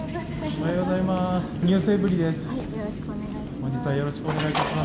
おはようございます。